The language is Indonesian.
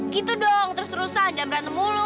gitu dong terus terusan jam berantem mulu